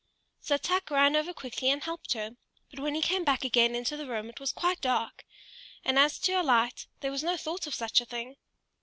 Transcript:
So Tuk ran over quickly and helped her; but when he came back again into the room it was quite dark, and as to a light, there was no thought of such a thing.